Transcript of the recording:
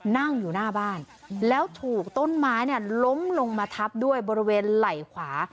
นั่งอยู่หน้าบ้านแล้วถูกต้นไม้เนี่ยล้มลงมาทับด้วยบริเวณไหล่ขวา